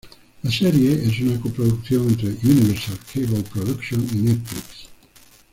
La serie es una coproducción entre Universal Cable Productions y Netflix.